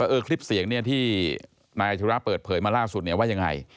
เออคลิปเสียงที่นายธุระเปิดเผยมาล่าสุดว่ายังไง